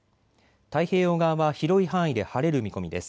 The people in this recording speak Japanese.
太平洋側は広い範囲で晴れる見込みです。